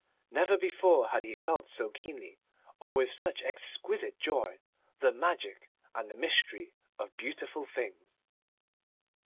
Never before had he felt so keenly, or with such exquisite joy, the magic and the mystery of beautiful things.